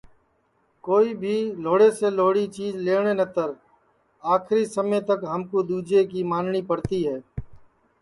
کوئی بھی لہوڑی سے لہوڑی چیج لئیوٹؔے نتر آکری سما تک ہمکُو دؔوجے کی مانٹؔی پڑتی ہے